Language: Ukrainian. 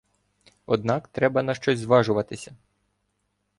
Однак треба на щось зважуватися.